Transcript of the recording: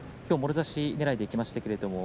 もろ差しねらいでいきました。